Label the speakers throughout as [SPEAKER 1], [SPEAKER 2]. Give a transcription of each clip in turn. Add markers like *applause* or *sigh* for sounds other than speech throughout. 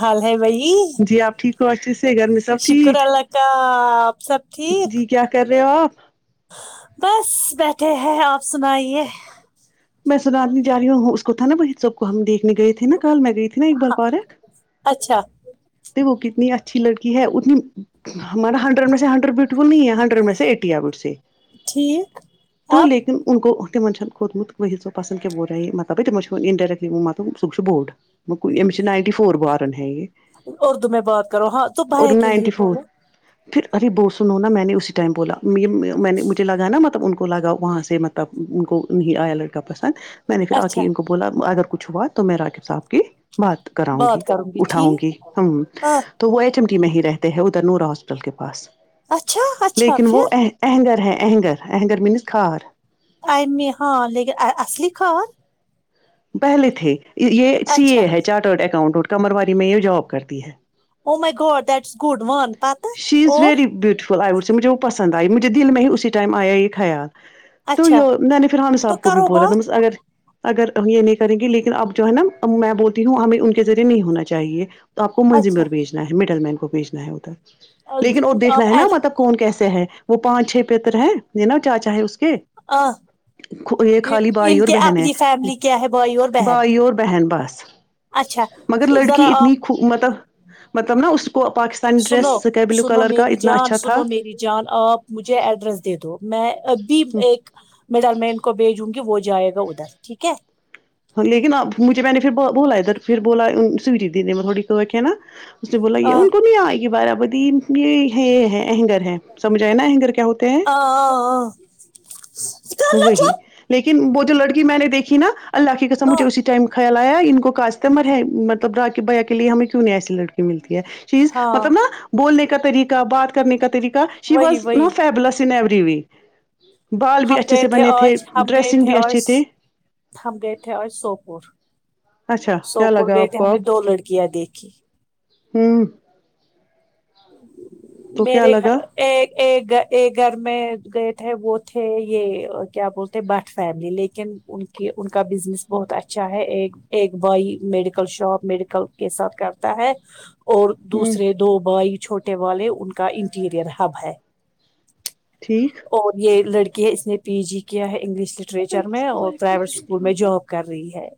[SPEAKER 1] حال ہے بھائی
[SPEAKER 2] جی آپ ٹھیک ہو اچھے سے گھر میں سب
[SPEAKER 1] شکر
[SPEAKER 2] ٹھیک
[SPEAKER 1] اللہ کا آپ سب ٹھیک
[SPEAKER 2] جی کیا کر رہے ہو آپ
[SPEAKER 1] بس بیٹھے ہیں آپ سنائیے
[SPEAKER 2] میں سنال نہیں جارہی ہوں اس کو تھا نا سب کو ہم دیکھنے گئے تھے نا کل میں گئی تھی نا ایک بار پارک
[SPEAKER 1] اچھا
[SPEAKER 2] دیکھو کتنی اچھی لڑکی ہے اتنی ہمارا ہر مجھے ہنڈریڈ بیوٹیفل نہیں ہے ہنڈریڈ میں سے ایٹی ہے مجھ سے
[SPEAKER 1] ٹھیک
[SPEAKER 2] تو
[SPEAKER 1] اب
[SPEAKER 2] لیکن *unintelligible* *unintelligible* نائنٹی فور بارن ہے یے
[SPEAKER 1] اردو میں بات کرو ہاں تو بھیا کے لیے
[SPEAKER 2] ناینٹی فور
[SPEAKER 1] بولو
[SPEAKER 2] پھر ارے وہ سنو نا میں نے اسی ٹائم بولا میں نے مجھے لگانا مطلب ان کو لگا وہاں سے مطلب ان کو نہیں آیا لڑکا پسند میں نے پھر آ
[SPEAKER 1] اچھا
[SPEAKER 2] کے ان کو بولا بولا اگر کچھ ہوا تو میں راکیب صاحب کی بات کراؤں گی
[SPEAKER 1] بات کروں
[SPEAKER 2] اٹھاؤں گی
[SPEAKER 1] ٹھیک
[SPEAKER 2] ہمم
[SPEAKER 1] ہاں
[SPEAKER 2] تو وہ ایچ ایم ٹی میں ہی رہتے ہیں ادھر نور ہاسپٹل کے پاس
[SPEAKER 1] اچھا اچھا
[SPEAKER 2] لیکن وہ
[SPEAKER 1] پھر
[SPEAKER 2] اہہ اہنگر ہے اہنگر اہنگر مینز کھار
[SPEAKER 1] ایمی ہاں لیکن آ اسلی کھار
[SPEAKER 2] پہلے تھے یہ سی
[SPEAKER 1] اچھا
[SPEAKER 2] اے ہے چارٹرڈ اکاؤنٹنٹ کمرواری میں یہ جواب کرتی ہے
[SPEAKER 1] ااو my god that is good one پ
[SPEAKER 2] she is very beautiful I would سے مجھے وہ پسند آئی مجھے دل میں ہی اسی ٹائم آیا یہ خیال تو
[SPEAKER 1] اچھا
[SPEAKER 2] یو میں نے فرحان
[SPEAKER 1] تو
[SPEAKER 2] صاحب کو بھی
[SPEAKER 1] کرو
[SPEAKER 2] بولا
[SPEAKER 1] بات
[SPEAKER 2] د اگر اگر یہ نہیں کریں گے لیکن اب جو ہے نا میں بولتی ہوں ہمیں ان کے ذریعے نہیں ہونا چاہیے آپ کو منزمار
[SPEAKER 1] اچھا
[SPEAKER 2] اور بھیجنا ہے مڈل مین کو بھیجنا ہے ادھر لیکن اور دیکھنا
[SPEAKER 1] آپ
[SPEAKER 2] ہے نا
[SPEAKER 1] ایڈ،
[SPEAKER 2] مطلب کون کیسے ہے وہ پانچ چھ پتر ہیں یہ نا چاچا ہے اس کے
[SPEAKER 1] ا
[SPEAKER 2] یہ خالی بھائی اور بہن ہے
[SPEAKER 1] فیملی کیا ہے بھائی اور بہن
[SPEAKER 2] بھائی اور بہن بس
[SPEAKER 1] اچھا
[SPEAKER 2] مگر لڑکی
[SPEAKER 1] ذرا آپ
[SPEAKER 2] اتنی خب مطلب مطلب نا اس کو پاکستان سن
[SPEAKER 1] سنو
[SPEAKER 2] ڈریس سکائی بلیو
[SPEAKER 1] سنو
[SPEAKER 2] کلر کا
[SPEAKER 1] میری
[SPEAKER 2] اتنا
[SPEAKER 1] جان
[SPEAKER 2] اچھا تھا
[SPEAKER 1] سنو میری جان آپ مجھے ایڈریس دے دو میں اب بھی ایک مڈل مین کو بھیجوں گی وہ جائے گا ادھر ٹھیک ہے
[SPEAKER 2] لیکن اب مجھے میں نے پھر بولا ادھر پھر بولا سوٹی دی دی میں تھوڑیک ہے نا اس نے بولا گے
[SPEAKER 1] آہ،
[SPEAKER 2] ان کو نہیں یہ آئی کہ بارا بادید یہ ہے یہ ہے انگر ہے سمجھ آئے نا اینگر کیا ہوتے ہیں
[SPEAKER 1] آہ، کر لو
[SPEAKER 2] وہی
[SPEAKER 1] چپ۔
[SPEAKER 2] لیکن وہ جو لڑکی میں نے دیکھی نا اللہ کی قسم مجھے
[SPEAKER 1] آہ،
[SPEAKER 2] اسی ٹائم خیال آیا ان کو کاسٹمر ہے مطلب راکی بھیا کے لیے ہمیں کیوں نہیں ایسی لڑی ملتی ہے چیز
[SPEAKER 1] ہاں
[SPEAKER 2] مطلب نا بولنے کا طریقہ بات کرنے کا طریقہ شی
[SPEAKER 1] وہی
[SPEAKER 2] واز
[SPEAKER 1] وہی
[SPEAKER 2] no fabulous in every we week بال بھی
[SPEAKER 1] ہم
[SPEAKER 2] اچھے
[SPEAKER 1] گئے
[SPEAKER 2] سے بنے تھے
[SPEAKER 1] آج ہم گئے
[SPEAKER 2] ڈریسنگ بھی
[SPEAKER 1] آج
[SPEAKER 2] اچھے تھے
[SPEAKER 1] ہم گیے تھے اور سوپور
[SPEAKER 2] اچھا کیا
[SPEAKER 1] سوپور
[SPEAKER 2] لگا
[SPEAKER 1] گئے
[SPEAKER 2] آپ
[SPEAKER 1] تھے
[SPEAKER 2] کو
[SPEAKER 1] ہم نے دو لڑکیاں دیکھی
[SPEAKER 2] امم تو کیا
[SPEAKER 1] میرےگھر
[SPEAKER 2] لگا
[SPEAKER 1] ایک ایک ایک گھر میں گئے تھے وہ تھے یہ کیا بول بٹ فیملی لیکن ان کی ان کا بزنس بہت اچھا ہے ایک ایک بھائی میڈیکل شاپ میڈیکل کے ساتھ کرتا ہے اور
[SPEAKER 2] ہوں
[SPEAKER 1] دوسرے دو بھائی چھوٹے والے ان کا انٹیریئر ہب ہے
[SPEAKER 2] ٹھیک
[SPEAKER 1] اور یہ لڑکی ہے اس نے پی جی کیا ہے انگلش لٹریچر میں اور پرائیویٹ اسکول میں جاب کر رہی ہے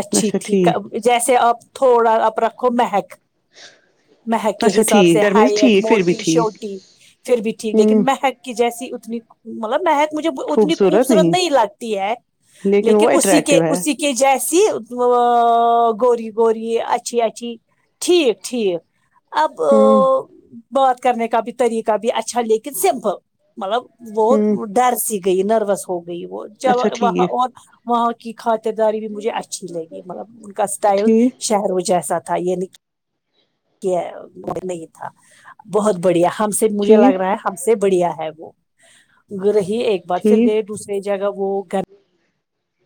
[SPEAKER 1] اچھی ٹھیک ہے جیسے آپ تھوڑا آپ رکھو مہک مہک کے
[SPEAKER 2] اچھا
[SPEAKER 1] حساب
[SPEAKER 2] ٹھیک
[SPEAKER 1] سے
[SPEAKER 2] دیٹ مینس
[SPEAKER 1] ہائٹ
[SPEAKER 2] ٹھیک پھر بھی
[SPEAKER 1] موٹی
[SPEAKER 2] ٹھیک
[SPEAKER 1] چھوٹی پھر بھی ٹھیک لیکن
[SPEAKER 2] ہوں
[SPEAKER 1] مہک کہ جیسی اتنی مطلب مہک مجھے اتنی خوبصورت نہیں لگتی ہے لیکن
[SPEAKER 2] وہ
[SPEAKER 1] اسی کے
[SPEAKER 2] اٹریکٹو ہے
[SPEAKER 1] اسی کے یہ جیسی گوری گوری اچھی اچھی ٹھیک ٹھیک آب
[SPEAKER 2] امم
[SPEAKER 1] بات کرنے کا بھی طریقہ بھی اچھا لیکن سمپل مطلب
[SPEAKER 2] ہوں
[SPEAKER 1] وہ ڈر سی گئی نروس ہو گئی وہ چلو
[SPEAKER 2] اچھا
[SPEAKER 1] وہاں
[SPEAKER 2] ٹھیک
[SPEAKER 1] اور وہاں کی خھاطرداری بھی مجھے اچھی لگی مطلب ان کا اسٹائل
[SPEAKER 2] ٹھیک
[SPEAKER 1] شہروں جیسا تھا یہ نہیں تھا بہت بڑھیا ہم سے مجھے
[SPEAKER 2] ٹھیک
[SPEAKER 1] لگ رہا ہے ہم سے بڑھیا ہے وہ رہی ایک بار پھر گئے
[SPEAKER 2] ٹھیک
[SPEAKER 1] دوسری جگہ وہ گھر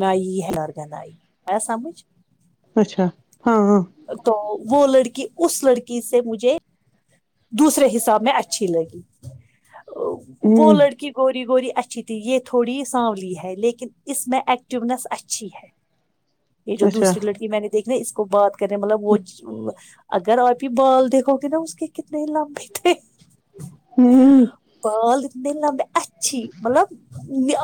[SPEAKER 1] ن ہےلارگند آ سمجھ
[SPEAKER 2] اچھا ہاں ہاں
[SPEAKER 1] تو وہ لڑکی اس لڑکی سے مجھے دوسرے حساب میں اچھی لگی وہ
[SPEAKER 2] ہوں
[SPEAKER 1] لڑکی گوری گوری اچھی تھی یے تھوڑی سانولی ہے لیکن اس میں ایٹ ٹیبنس اچھی ہے یے جو
[SPEAKER 2] اچھا
[SPEAKER 1] دوسری لڑکی میں نے دیکھنے اس کو بات کریں مطلب وہ اگر آپ ہی بال دیکھو گے نا اس کے کتنے لمبے تھے
[SPEAKER 2] ہمم
[SPEAKER 1] بال اتنے لمبے اچھی مطلب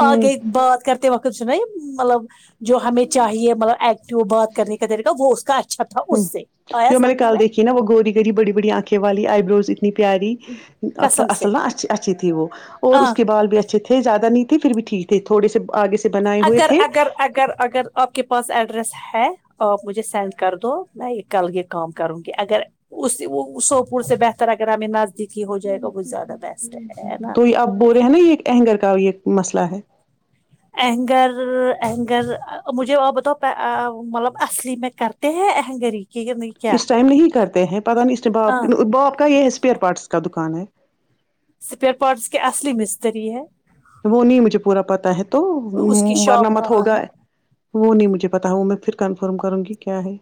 [SPEAKER 2] ہوں
[SPEAKER 1] آگے بات کرتے وقت اس نے مطلب جو ہمیں چاہیے مطلب ایکٹو بات کرنے کا طریقہ وہ اس کا اچھا تھا
[SPEAKER 2] ہمم
[SPEAKER 1] اس سے آیا
[SPEAKER 2] جو میں نے
[SPEAKER 1] سمجھ
[SPEAKER 2] کال دیکھی نا وہ گوری گوری بڑی بڑی آنکھیں والی آئی بروز اتنی پیاری اصل
[SPEAKER 1] کسم سے
[SPEAKER 2] اصل نا اچھی اچھی تھی وہ اور
[SPEAKER 1] آ
[SPEAKER 2] اس کے بال بھی اچھی تھے زیادہ نہیں تھے پھر بھی ٹھیک تھے تھوڑے سے آگے سے بنائے ہوئے
[SPEAKER 1] اگر
[SPEAKER 2] تھے
[SPEAKER 1] اگر اگر اگر آپ کے پاس ایڈریس ہے آپ مجھے سینڈ کر دو میں یے کل یے کام کروں گی اگر اسے وہ سوپور سے بہتر اگر ہمیں نزدیکی ہو جائے گا وہ زیادہ بیسٹ ہے نا
[SPEAKER 2] تو آپ بول رہے ہیں یے اہنگر کا بھی ایک مسئلہ ہے
[SPEAKER 1] اینگر اینگر مجھے وہ بتاو مطلب اصلی میں کر تے ہے انگری کیونکہ
[SPEAKER 2] اس ٹائم نہیں کرتے ہیں پتہ نہیں اسکے باپ باپ کا یے ایسپیئر پارٹس کا دکان ہے
[SPEAKER 1] سپیئر پارٹس کے اصلی مستری ہے
[SPEAKER 2] وہ نہیں مجھے پورا پتہ ہے تو
[SPEAKER 1] اس کی
[SPEAKER 2] ورنہ
[SPEAKER 1] شاپ کا
[SPEAKER 2] مت ہوگا
[SPEAKER 1] ہے
[SPEAKER 2] وہ نہیں مجھے پتہ وہ میں پھر کنفرم کروں گی کیا ہے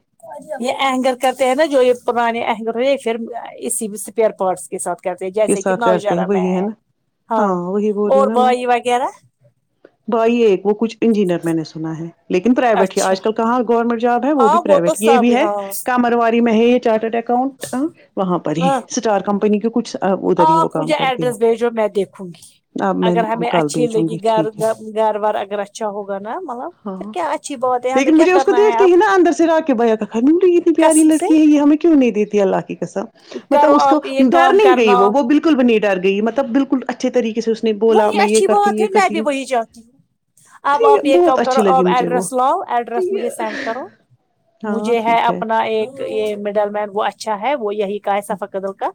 [SPEAKER 1] یے اہینگر کرتے ہیں نا جو یے پرانے اہینگر ہو یے پھر اسی اسپیئر پارٹس کے ساتھ کرتے
[SPEAKER 2] کے
[SPEAKER 1] جیسے
[SPEAKER 2] ساتھ
[SPEAKER 1] کتنا
[SPEAKER 2] کرتے ہیں
[SPEAKER 1] وچارا میں
[SPEAKER 2] وہی
[SPEAKER 1] ہے
[SPEAKER 2] نا
[SPEAKER 1] ہاں
[SPEAKER 2] وہی بول رہی ہوں
[SPEAKER 1] اور
[SPEAKER 2] نا میں
[SPEAKER 1] بھائی وغیرہ
[SPEAKER 2] بھائی ایک وہ کچھ انجینئر میں نے سنا ہے لیکن پرائیویٹ ہی
[SPEAKER 1] اچھا
[SPEAKER 2] آج کل کہاں گورنمنٹ جاب ہے وہ بھی
[SPEAKER 1] ہاں تو
[SPEAKER 2] پرائیویٹ یے
[SPEAKER 1] سب
[SPEAKER 2] بھی ہے
[SPEAKER 1] ہاں
[SPEAKER 2] کامرواری میں ہے یے چارٹرڈ اکاؤنٹ وہاں پر ہی
[SPEAKER 1] ہاں
[SPEAKER 2] اسٹار کمپنی کے کچھ ادھر ہی وہ
[SPEAKER 1] آپ
[SPEAKER 2] کام
[SPEAKER 1] مجھے
[SPEAKER 2] کرتی
[SPEAKER 1] ایڈریس بھیجو میں دیکھوں گی
[SPEAKER 2] ہے اب میں
[SPEAKER 1] اگر ہمیں
[SPEAKER 2] کل
[SPEAKER 1] اچھی
[SPEAKER 2] بھیجوں
[SPEAKER 1] لگی
[SPEAKER 2] گی
[SPEAKER 1] گھر
[SPEAKER 2] ٹھیک ہے
[SPEAKER 1] گھر وار اگر اچھا ہوگا نا مطلب
[SPEAKER 2] ہاں
[SPEAKER 1] پھر کیا اچھی بات ہے ہم
[SPEAKER 2] لیکن
[SPEAKER 1] کیا
[SPEAKER 2] مجھے اس
[SPEAKER 1] کر
[SPEAKER 2] کو دیکھتے ہی نا اندر سے را کے بھیا کہا میں اتنی پیاری
[SPEAKER 1] قسم سے
[SPEAKER 2] لڑکی ہے یے ہمیں کیوں نہیں دیتی اللہ کی کسم مطلب
[SPEAKER 1] کرو
[SPEAKER 2] اس کو
[SPEAKER 1] آپ یہ
[SPEAKER 2] ڈر
[SPEAKER 1] کام
[SPEAKER 2] نہیں گئی
[SPEAKER 1] کرنا
[SPEAKER 2] وہ بالکل بالکل بھی نہیں ڈرگئی مطلب بالکل اچھے طریقے سے اس نے بولا میں یے کرتی ہوں یے کرتی
[SPEAKER 1] وہ ہی جاتی ہوں اب آپ
[SPEAKER 2] ہوں
[SPEAKER 1] ایک
[SPEAKER 2] بہت
[SPEAKER 1] کام
[SPEAKER 2] اچھی
[SPEAKER 1] کرو
[SPEAKER 2] لگی
[SPEAKER 1] آپ
[SPEAKER 2] مجھے وہ
[SPEAKER 1] ایڈریس لاو ایڈریس مجھے سینڈ کرو
[SPEAKER 2] ہاں
[SPEAKER 1] مجھے
[SPEAKER 2] ٹھیک ہے
[SPEAKER 1] اپنا ایک یے مڈل مین وہ اچھا ہے وہ یہی کا ہے سافہ قدر کا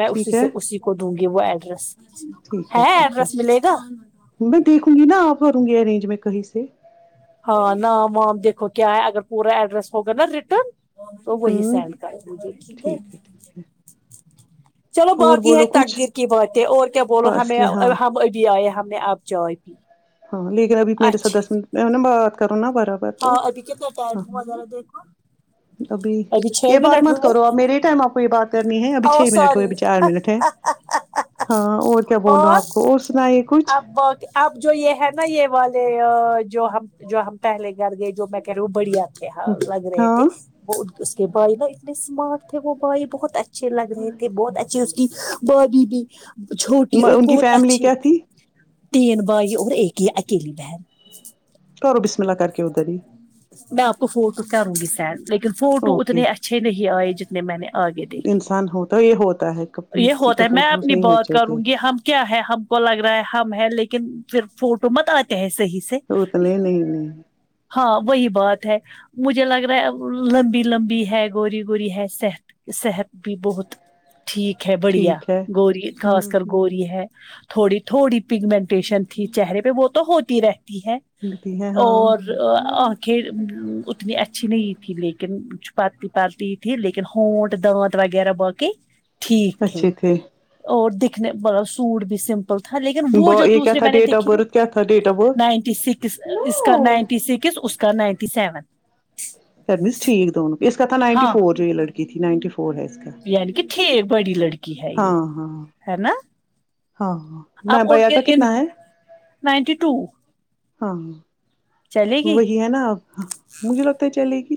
[SPEAKER 1] میں اسی
[SPEAKER 2] ٹھیک
[SPEAKER 1] سے
[SPEAKER 2] ہے
[SPEAKER 1] اسی کو دوں گی وہ ایڈریس ہے ایڈرس ملے گا
[SPEAKER 2] میں دیکھوں گی نا کرو گی ارینج میں کہیں سے
[SPEAKER 1] ہاں ناما وام دیکھو کیا ہے اگر پورا ایڈریس ہوگا نا ریٹرن تو وہی
[SPEAKER 2] ہوں
[SPEAKER 1] سینڈ کر دیجیے ٹھیک ہے چلو
[SPEAKER 2] اور
[SPEAKER 1] باقی ہے
[SPEAKER 2] بولو کچھ
[SPEAKER 1] تقدیر کی باتیں اور کیا بولو ہمیں
[SPEAKER 2] فاصلے ہاں
[SPEAKER 1] ہم ابھی آئے ہم نے اب چائے پی
[SPEAKER 2] ہاں لیکن ابھی میرے
[SPEAKER 1] اچھے
[SPEAKER 2] دس منٹ میں نے بات کروں نا برا
[SPEAKER 1] ہاں ابھی کتنا ٹائم ہوا ذرا دیکھنا
[SPEAKER 2] ابھی یہ بات مت
[SPEAKER 1] ہوئے
[SPEAKER 2] کرو آپ میرے ہی ٹائم آپ کو یہ بات کرنی ہے ابھی
[SPEAKER 1] او
[SPEAKER 2] چھ منٹ ہو
[SPEAKER 1] سوری
[SPEAKER 2] ابھی چار منٹ ہے ہاں اور کیا بولو آپ کو اور سنائیے کچھ
[SPEAKER 1] اب اب جو یہ ہے نا یہ والے جو ہم جو ہم پہلے گھر گئے جو میں کہہ رہی ہوں بڑھیا لگ رہے تھے
[SPEAKER 2] ہاں
[SPEAKER 1] وہ اس کے بھائی نا اتنے اسمارٹ تھے وہ بھائی بہت اچھے اچھے لگ رہے تھے بہت اچھے اس کی بادی تھی چھوٹی اور
[SPEAKER 2] ان کی
[SPEAKER 1] بہت
[SPEAKER 2] فیملی
[SPEAKER 1] اچھی
[SPEAKER 2] کیا تھی
[SPEAKER 1] تین بھائی اور ایک ہی اکیلی بہن
[SPEAKER 2] کرو بسم اللہ کر کے ادھر ہی
[SPEAKER 1] میں آپ کو فوٹو کروں گی سینڈ لیکن فوٹو
[SPEAKER 2] اوکے
[SPEAKER 1] اتنے اچھے نہیں آئے جنے
[SPEAKER 2] انسان ہوتا ہے یہ ہوتا ہے
[SPEAKER 1] یہ
[SPEAKER 2] کسی
[SPEAKER 1] ہوتا
[SPEAKER 2] کے
[SPEAKER 1] ہے میں
[SPEAKER 2] فوٹوز
[SPEAKER 1] اپنی
[SPEAKER 2] نہیں
[SPEAKER 1] بات
[SPEAKER 2] اچھے
[SPEAKER 1] کروں
[SPEAKER 2] ہوتے
[SPEAKER 1] گی ہم کیا ہے ہم کو لگ رہا ہے ہم ہے لیکن پھر فوٹو مت آتے ہیں صحیح سے
[SPEAKER 2] تو اتنے نہیں نہیں
[SPEAKER 1] ہاں وہی بات ہے مجھے لگ رہا ہے لمبی لمبی ہے گوری گوری ہے صحت صحت بھی بہت ٹھیک ہے بڑھیا
[SPEAKER 2] ٹھیک ہے
[SPEAKER 1] گوری خاص
[SPEAKER 2] ہوں
[SPEAKER 1] کر گوری ہے تھوڑی تھوڑی پگمنٹیشن تھی چہرے پہ وہ تو ہوتی رہتی ہے
[SPEAKER 2] بھی ہے ہاں
[SPEAKER 1] اور ا اتنی اچھی نہیں تھی لیکن چھپی پالتی تھی لیکن ہونٹ دانت وغیرہ باقی ٹھیک تھی
[SPEAKER 2] اچھے تھے
[SPEAKER 1] اور دکھنے م بڑا سوٹ بھی سمپل تو تھا لیکن وہ جو
[SPEAKER 2] یہ کیا
[SPEAKER 1] دوسرے
[SPEAKER 2] تھا
[SPEAKER 1] میں نے
[SPEAKER 2] ڈیٹ آف
[SPEAKER 1] دیکھی نا
[SPEAKER 2] برتھ کیا تھا date of birth
[SPEAKER 1] ninety six اس کا نائنٹی سکس اس کا نائنٹی سیون
[SPEAKER 2] کرنیس ٹھیک دونوں اس کا تو نائنٹی
[SPEAKER 1] ہاں
[SPEAKER 2] فور جو یہ لڑکی تھی نائنٹی فور ہے کا
[SPEAKER 1] یعنی کہ ٹھیک بڑی لڑکی ہے یہ
[SPEAKER 2] ہاں ہاں
[SPEAKER 1] ہے نا
[SPEAKER 2] ہاں ہاں نہ
[SPEAKER 1] اب
[SPEAKER 2] بھیا کا
[SPEAKER 1] ان
[SPEAKER 2] کتنا ہے
[SPEAKER 1] نائنٹی ٹو
[SPEAKER 2] ہاں
[SPEAKER 1] چلے گی
[SPEAKER 2] وہی ہے نا آپ مجھے لگتا ہے چلے گی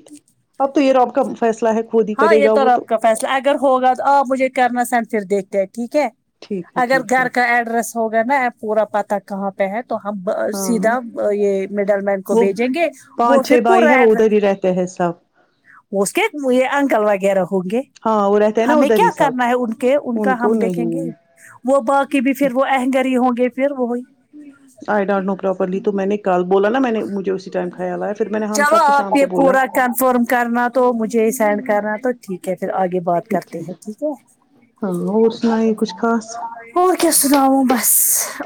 [SPEAKER 2] اب تو یہ رب کا فیصلہ ہے خود ہی
[SPEAKER 1] ہاں
[SPEAKER 2] کرے
[SPEAKER 1] یہ
[SPEAKER 2] گا
[SPEAKER 1] تو
[SPEAKER 2] وہ
[SPEAKER 1] رب کا فیصلہ اگر ہوگا تو آپ مجھے کرنا سینڈ پھر دیکھتے ہیں ٹھیک ہے
[SPEAKER 2] ٹھیک ہے
[SPEAKER 1] اگر
[SPEAKER 2] ٹھیک ہے
[SPEAKER 1] گھر کا ایڈریس ہوگا نا پورا پتا کہاں پہ ہے تو ہم
[SPEAKER 2] ہاں
[SPEAKER 1] سیدھا یہ مڈل مین کو
[SPEAKER 2] وہ
[SPEAKER 1] بھیجیں گے
[SPEAKER 2] پانچ
[SPEAKER 1] وہ پھر
[SPEAKER 2] چھ بائی
[SPEAKER 1] پورا
[SPEAKER 2] ہیں وہ ادھر
[SPEAKER 1] ایڈریس
[SPEAKER 2] ہی رہتے ہیں سب
[SPEAKER 1] اس کے موں یہ انکل وغیرہ ہوں گے
[SPEAKER 2] ہاں وہ رہتے ہیں نا
[SPEAKER 1] ہمیں
[SPEAKER 2] ادھر
[SPEAKER 1] کیا
[SPEAKER 2] ہی
[SPEAKER 1] کرنا
[SPEAKER 2] سب
[SPEAKER 1] ہے ان کے ان کا ہم
[SPEAKER 2] کو
[SPEAKER 1] دیکھیں گے
[SPEAKER 2] نہیں
[SPEAKER 1] وہ باقی بھی پھر وہ اہنگری ہی ہوں گے پھر وہی
[SPEAKER 2] آئی ڈونٹ نو پراپرلی تو میں نے کل بولا نا میں نے مجھے اسی ٹائم خیال آیا پھر میں نے ہم
[SPEAKER 1] چلو
[SPEAKER 2] سب کو
[SPEAKER 1] آپ
[SPEAKER 2] شام
[SPEAKER 1] کے
[SPEAKER 2] کو بولا
[SPEAKER 1] پورا کنفرم کرنا تو مجھے سینڈ کرنا تو ٹھیک ہے پھر آگے بات کرتے ہیں ٹھیک ہے
[SPEAKER 2] ہاں اور سناے کچھ خاص
[SPEAKER 1] اور کیا سنا ہوں بس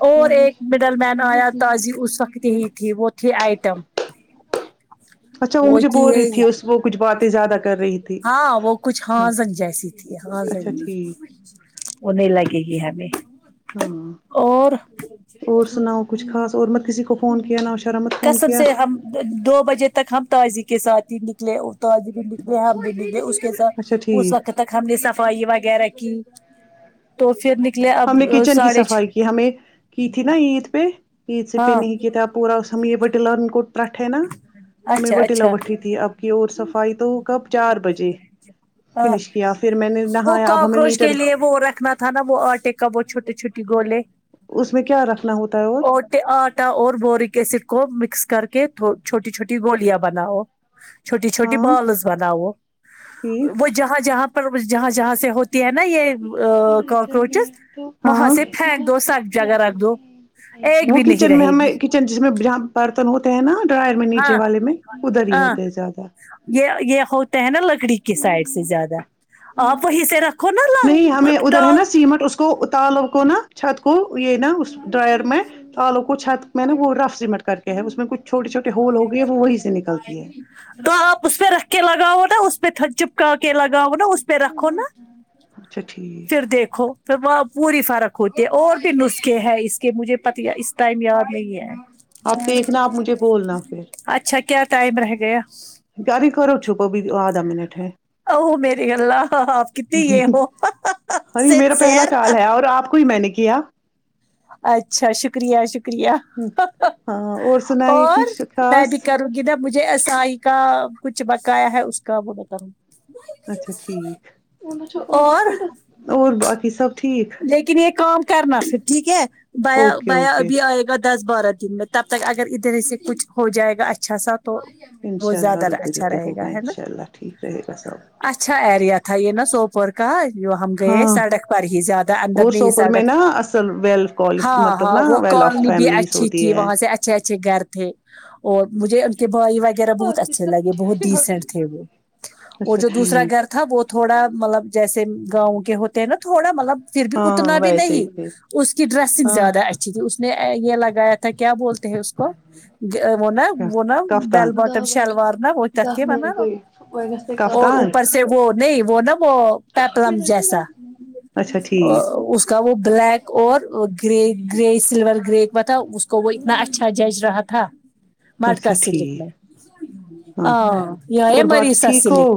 [SPEAKER 1] اور ایک مڈل مین آیا تازی اس وقت یہی تھی وہ تھی آئٹم
[SPEAKER 2] اچھا
[SPEAKER 1] وہ
[SPEAKER 2] مجھے
[SPEAKER 1] تھی
[SPEAKER 2] بول رہی
[SPEAKER 1] یہ
[SPEAKER 2] اس وہ کچھ باتیں زیادہ کر رہی تھی
[SPEAKER 1] ہاں وہ کچھ ہاں زن جیسی ہاں ز
[SPEAKER 2] اچھا
[SPEAKER 1] ان
[SPEAKER 2] ٹھیک
[SPEAKER 1] وہ نہیں لگے گی ہمیں
[SPEAKER 2] ہاں
[SPEAKER 1] اور
[SPEAKER 2] اور سناؤ کچھ خاص اور مت کسی کو فون کیا نہ شرا مت فون
[SPEAKER 1] کسب
[SPEAKER 2] کیا
[SPEAKER 1] سے ہم دو دو بجے تک ہم تازی کے ساتھ ہی نکلے تازی بھی نکلے ہم بھی نکلے اس س
[SPEAKER 2] اچھا
[SPEAKER 1] اس
[SPEAKER 2] ٹھیک
[SPEAKER 1] وقت تک ہم نے صفائی وغیرہ کی تو پھر نکلے
[SPEAKER 2] ہم
[SPEAKER 1] اب
[SPEAKER 2] نے کچن کی
[SPEAKER 1] ساڑھے چھ
[SPEAKER 2] صفائی کی ہمیں کی تھی نا عید پہ عید سے پہ
[SPEAKER 1] ہاں
[SPEAKER 2] نہیں کیا تھا اب پورا سم یہ پتلا ان کو تٹ ہے نا ہمیں
[SPEAKER 1] اچھا اچھا
[SPEAKER 2] وٹیلاوٹھی تھی آپ کی اور صفائی تو ہو کب چار بجے
[SPEAKER 1] ہاں
[SPEAKER 2] فنش کیا پھر میں نے
[SPEAKER 1] وہ
[SPEAKER 2] نہایا اب ہمیں
[SPEAKER 1] کاکروچ کے
[SPEAKER 2] میٹر
[SPEAKER 1] لیے وہ رکھنا تھا نا وہ آٹے کا وہ چھوٹی چھوٹی گولے
[SPEAKER 2] اس میں کیا رکھنا ہوتا ہے اور
[SPEAKER 1] آٹے آٹا اور بوریک ایسڈ کو مکس کر کے تھ چھوٹی چھوٹی گوولیاں بناؤ چھوٹی چھوٹی
[SPEAKER 2] ہاں
[SPEAKER 1] بالس بناؤ
[SPEAKER 2] ٹھیک
[SPEAKER 1] وہ جہاں جہاں پر جہاں جہاں سے ہو ت ہے نا یہ کاکروچز وہاں
[SPEAKER 2] ہاں
[SPEAKER 1] سے پھینک دو سب جگہ رکھ دو ایک
[SPEAKER 2] وہ
[SPEAKER 1] بھی نہیں
[SPEAKER 2] کچن میں
[SPEAKER 1] رہے
[SPEAKER 2] ہمیں
[SPEAKER 1] گی
[SPEAKER 2] جس میں جہ برتن ہوتے ہیں نا ڈرائر میں نیچے
[SPEAKER 1] ہاں
[SPEAKER 2] والے میں ادھر ہی
[SPEAKER 1] ہاں
[SPEAKER 2] ہوتے ہیں زیادہ
[SPEAKER 1] یہ یہ ہوتا ہے نا لکڑی کی سائڈ سے زیادہ آپ وہیں سے رکھ
[SPEAKER 2] نہیں ہمیں ادھر ہے نا سیمٹ اس کو تالو کو نا چھت کو یہ نا ڈرائر میں آلو کو چھت میں نے وہ رف سیمٹ کر کے ہے اس میں کچھ چھوٹے چھوٹے ہول ہو گئے ہے وہی سے نکلتی ہے
[SPEAKER 1] تو آپ اس پہ رکھ کے لگاؤ نا اس پہ تھک چپکا کے لگاؤ نا اس پہ رکھو نا
[SPEAKER 2] اچھا ٹھیک
[SPEAKER 1] پھر دیکھو پھر وہاں پوری فرق ہوتی ہے اور بھی نسخے ہیں اس کے مجھے پتا اس ٹائم یاد نہیں ہے
[SPEAKER 2] آپ دیکھنا آپ مجھے بولنا پھر
[SPEAKER 1] اچھا کیا ٹائم رہ گیایا
[SPEAKER 2] گاری کرو چو وہ بھی آدھا منٹ ہے
[SPEAKER 1] او میرے اللہ آپ کتنی یہ ہو
[SPEAKER 2] ہر میرا پہلا
[SPEAKER 1] سنسیئر
[SPEAKER 2] کال ہے اور آپ کو ہی میں نے کیا
[SPEAKER 1] اچھا شکریہ شکر شکریہ
[SPEAKER 2] ہاں اور سنائیے
[SPEAKER 1] اور
[SPEAKER 2] کچھ
[SPEAKER 1] میں
[SPEAKER 2] خاص
[SPEAKER 1] بھی کروں گی نا مجھے ایس ائی کا کچھ بقایا ہے اس کا وہ بتاوں
[SPEAKER 2] اچھا ٹھیک
[SPEAKER 1] اور
[SPEAKER 2] اور باقی سب ٹھیک
[SPEAKER 1] لیکن یہ کام کرنا پھر ٹھیک ہے بیا
[SPEAKER 2] اوکے
[SPEAKER 1] بیا
[SPEAKER 2] اوکے
[SPEAKER 1] ابھی آئے گا دس بارہ دن میں تب تک اگر ادھر اس سے کچھ ہو جائے گا اچھا سا تو وہ
[SPEAKER 2] انشاء اللہ
[SPEAKER 1] زیادہ
[SPEAKER 2] رتے
[SPEAKER 1] اچھا
[SPEAKER 2] رتے
[SPEAKER 1] رہے گا
[SPEAKER 2] ہوگا
[SPEAKER 1] ہے
[SPEAKER 2] ان
[SPEAKER 1] نا
[SPEAKER 2] شاء اللہ ٹھیک رہے گا سب
[SPEAKER 1] اچھا آئیڈیا تھا یہ نا سوپور کا جو ہم گی
[SPEAKER 2] ہاں
[SPEAKER 1] سڑک پر ہی زیادہ اندر
[SPEAKER 2] اور
[SPEAKER 1] نہیں یہ
[SPEAKER 2] سوپور میں نا
[SPEAKER 1] سڑک
[SPEAKER 2] اصل ویل
[SPEAKER 1] ہاں
[SPEAKER 2] مطلب
[SPEAKER 1] ہاں
[SPEAKER 2] نا
[SPEAKER 1] وہ
[SPEAKER 2] ویل آف
[SPEAKER 1] کوالنی بھی
[SPEAKER 2] فیملیز
[SPEAKER 1] اچھی
[SPEAKER 2] ہوتی
[SPEAKER 1] تھی
[SPEAKER 2] ہے
[SPEAKER 1] وہاں سے سے اچھے اچھے گھر تھے اور مجھے ان کے بھائی گہرا بہت اچھے لگے بہت ڈیسینٹ تھے وہ اور
[SPEAKER 2] اچھا
[SPEAKER 1] جو دوسرا
[SPEAKER 2] ٹھیک
[SPEAKER 1] گھر تھا وہ تھوڑا مطلب جیسے گاؤں کے ہوتے ہیں نا تھوڑا مطلب پھر بھی
[SPEAKER 2] ہاں
[SPEAKER 1] اتنا
[SPEAKER 2] ہاں
[SPEAKER 1] بھی
[SPEAKER 2] ویسے ہی
[SPEAKER 1] نہیں
[SPEAKER 2] تھے
[SPEAKER 1] اس کی ڈریسنگ
[SPEAKER 2] ہاں
[SPEAKER 1] زیادہ اچھی تھی اس نے یہ لگایا تھا کیا بولتے ہیں اس کو وہ نا وہ نا
[SPEAKER 2] کفتان
[SPEAKER 1] بیل بٹم شلوار نا وہ ت کی ونا اور
[SPEAKER 2] کفتان
[SPEAKER 1] اوپر سے وہ نہیں وہ نا وہ پیپلم جیسا
[SPEAKER 2] اچھا ٹھیک
[SPEAKER 1] اس کا وہ بلیک اور گرے گرے سلور گرے بتاو اس کو وہ اتنا اچھا جج رہا تھا مٹکا
[SPEAKER 2] اچھا
[SPEAKER 1] سلک
[SPEAKER 2] ٹھیک
[SPEAKER 1] میں
[SPEAKER 2] ہاں
[SPEAKER 1] ا یہ
[SPEAKER 2] اور باقی
[SPEAKER 1] مریسا
[SPEAKER 2] ٹھیک ہو
[SPEAKER 1] سلک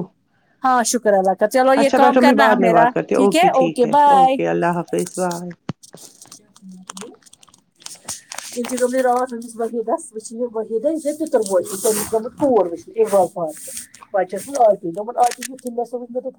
[SPEAKER 1] ہاں شکر الله کا چلو یہ
[SPEAKER 2] اچھا
[SPEAKER 1] کام
[SPEAKER 2] بیٹھو میں
[SPEAKER 1] کرنا
[SPEAKER 2] بعد
[SPEAKER 1] ہے
[SPEAKER 2] میں
[SPEAKER 1] میرا
[SPEAKER 2] بات کرتی ہوں
[SPEAKER 1] ٹھیک ہے اوکے بائے
[SPEAKER 2] اوکے اللہ حافظ بائے
[SPEAKER 1] *unintelligible* *unintelligible*